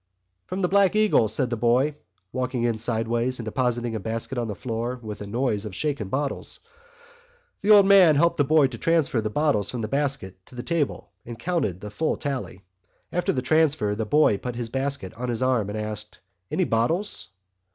"From the Black Eagle," said the boy, walking in sideways and depositing a basket on the floor with a noise of shaken bottles. The old man helped the boy to transfer the bottles from the basket to the table and counted the full tally. After the transfer the boy put his basket on his arm and asked: "Any bottles?"